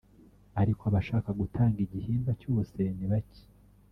ariko abashaka gutanga igihimba cyose ni bake